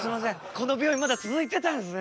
この病院まだ続いてたんですね。